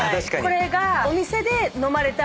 これが。